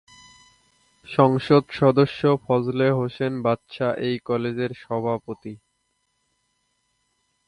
সংসদ সদস্য ফজলে হোসেন বাদশা এই কলেজের সভাপতি।